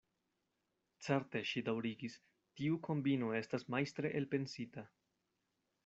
Certe, ŝi daŭrigis, tiu kombino estas majstre elpensita.